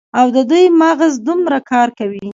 او د دوي مغـز دومـره کـار کـوي.